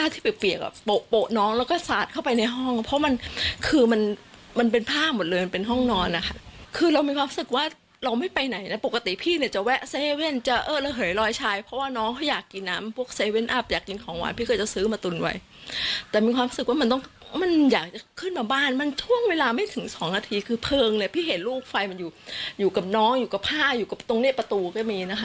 คือเรามีความรู้สึกว่าเราไม่ไปไหนนะปกติพี่เนี่ยจะแวะเซเว่นจะเอ้อระเหยรอยชายเพราะว่าน้องเขาอยากกินน้ำพวกเซเว่นอัพอยากกินของหวานพี่ก็จะซื้อมาตุลไว้แต่มีความรู้สึกว่ามันต้องมันอยากจะขึ้นมาบ้านมันช่วงเวลาไม่ถึงสองนาทีคือเพลิงเลยพี่เห็นลูกไฟมันอยู่อยู่กับน้องอยู่กับผ้าอยู่กับตรงนี้ประตูก